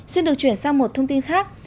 xin được chuyển sang một thông tin khác